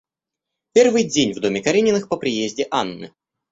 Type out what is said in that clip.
Первый день в доме Карениных по приезде Анны.